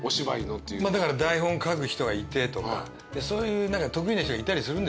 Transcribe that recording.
だから台本書く人がいてとかそういう何か得意な人がいたりするんですよ。